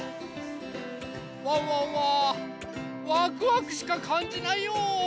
ワンワンはワクワクしかかんじないよ。